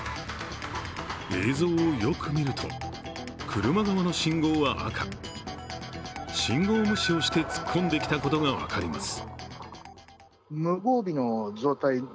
映像をよく見ると、車側の信号は赤信号無視をして突っ込んできたことが分かります。